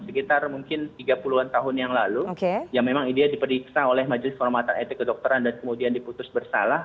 sekitar mungkin tiga puluh an tahun yang lalu ya memang dia diperiksa oleh majelis kehormatan etik kedokteran dan kemudian diputus bersalah